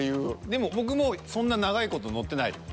でも僕もそんな長い事ノってないよ。